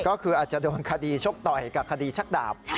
ก็คืออาจจะโดนคดีชกต่อยกับคดีชักดาบ